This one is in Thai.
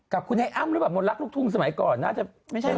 กับคุณไอ้อ้ำหรือเปล่ามนต์รักลูกทุ่งสมัยก่อนน่าจะไม่ใช่